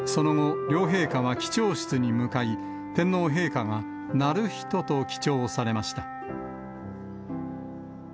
その後、両陛下は記帳室に向かい、天皇陛下が、徳仁と記帳されました。